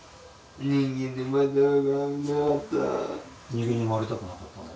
人間に生まれたくなかったの？